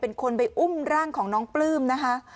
เป็นคนไปอุ้มร่างของน้องปลื้มนะคะ